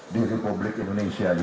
di republik indonesia ini